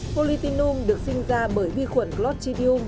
politinum được sinh ra bởi vi khuẩn clostridium